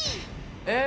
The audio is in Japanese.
え！